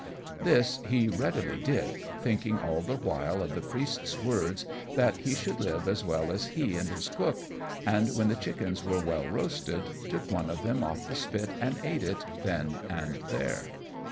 This he readily did, thinking all the while of the Priest's words, that he should live as well as he and his cook; and, when the chickens were well roasted, took one of them off the spit, and ate it then and there.